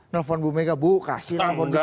nelfon bu mega bu kasih nelfon dikas